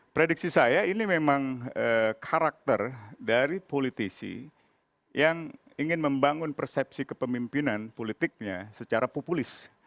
prediksi saya ini memang karakter dari politisi yang ingin membangun persepsi kepemimpinan politiknya secara populis